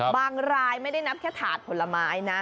รายไม่ได้นับแค่ถาดผลไม้นะ